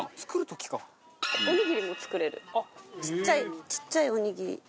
ちっちゃいちっちゃいおにぎり。